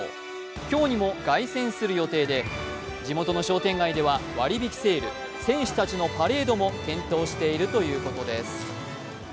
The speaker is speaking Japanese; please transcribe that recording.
今日にも凱旋する予定で、地元の商店街では割り引きセール、選手たちのパレードも検討しているということです。